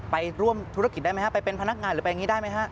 ไปร่วมธุรกิจได้ไหมฮะไปเป็นพนักงานหรือไปอย่างนี้ได้ไหมฮะ